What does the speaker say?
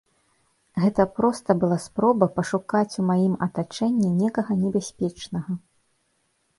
Гэта проста была спроба пашукаць у маім атачэнні некага небяспечнага.